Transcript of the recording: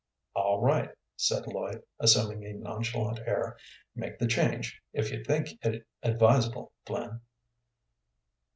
"All right," said Lloyd, assuming a nonchalant air. "Make the change if you think it advisable, Flynn."